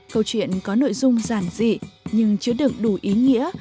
câu chuyện có nội dung giản dị nhưng chưa được đủ ý nghĩa